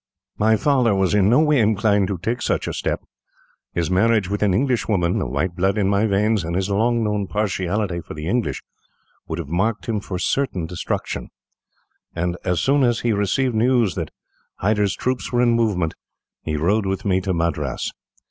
"My father was in no way inclined to take such a step. His marriage with an English woman, the white blood in my veins, and his long known partiality for the English, would have marked him for certain destruction; and, as soon as he received news that Hyder's troops were in movement, he rode with me to Madras.